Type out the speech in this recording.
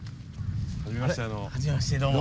はじめましてどうも。